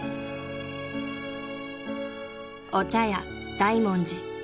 ［お茶屋大文字］